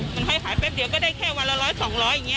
มันให้ขายแป๊บเดียวก็ได้แค่วันละร้อยสองร้อยอย่างเงี้ย